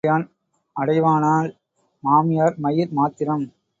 மைத்துனனை, அகமுடையான் அடைவானால் மாமியார் மயிர் மாத்திரம்.